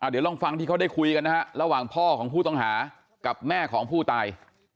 เดี๋ยวลองฟังที่เขาได้คุยกันนะฮะระหว่างพ่อของผู้ต้องหากับแม่ของผู้ตาย